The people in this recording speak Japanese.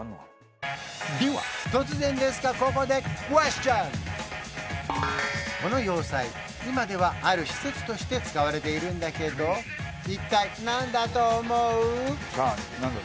では突然ですがこの要塞今ではある施設として使われているんだけど一体何だと思う？